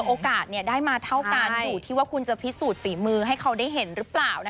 โอกาสได้มาเท่ากันอยู่ที่ว่าคุณจะพิสูจน์ฝีมือให้เขาได้เห็นหรือเปล่า